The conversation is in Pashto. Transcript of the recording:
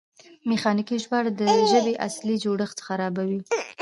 میخانیکي ژباړه د ژبې اصلي جوړښت خرابوي.